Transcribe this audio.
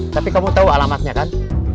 tapi kamu tahu alamatnya kan